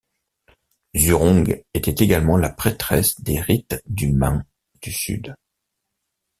Zhurong était également la prêtresse des rites du Man du Sud.